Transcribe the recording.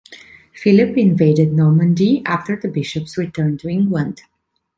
Philip invaded Normandy after the bishops returned to England.